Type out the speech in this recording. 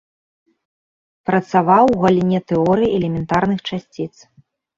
Працаваў у галіне тэорыі элементарных часціц.